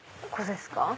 ここですか。